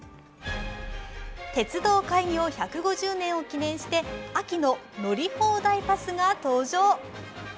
鉄道開業１５０年を記念して秋の乗り放題パスが登場。